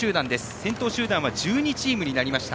先頭集団は１２チームになりました。